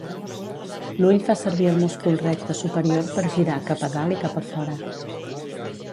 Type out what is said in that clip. L'ull fa servir el múscul recte superior per girar cap a dalt i cap a fora.